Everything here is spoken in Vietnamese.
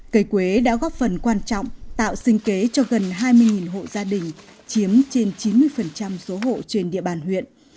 cây quế đã góp phần quan trọng tạo sinh kế cho gần hai mươi hộ gia đình chiếm trên chín mươi số hộ trên địa bàn huyện